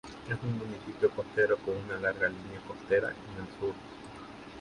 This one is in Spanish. Es un municipio costero, con una larga línea costera en el sur.